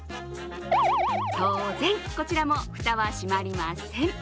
当然、こちらもフタは閉まりません。